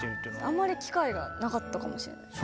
あんまり機会がなかったかもしれないです。